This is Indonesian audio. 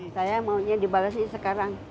saya maunya dibalasin sekarang